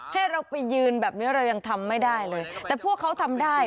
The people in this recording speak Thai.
ให้เราไปยืนแบบนี้เรายังทำไม่ได้เลยแต่พวกเขาทำได้